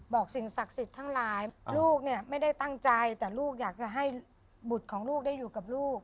สิ่งศักดิ์สิทธิ์ทั้งหลายลูกเนี่ยไม่ได้ตั้งใจแต่ลูกอยากจะให้บุตรของลูกได้อยู่กับลูก